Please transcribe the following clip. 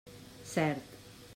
Cert.